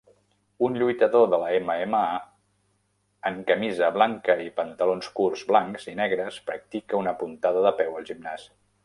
Un lluitador de la MMA en camisa blanca i pantalons curts blancs i negres practica una puntada de peu al gimnàs